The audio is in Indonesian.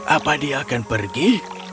apa dia akan pergi